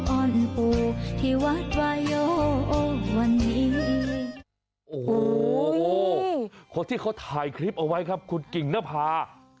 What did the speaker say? โอ้โหคนที่เขาถ่ายคลิปเอาไว้ครับคุณกิ่งนภาพ